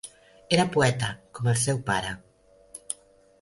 Era poeta com el seu pare.